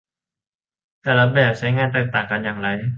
แต่ละแบบใช้งานแตกต่างกันอย่างไร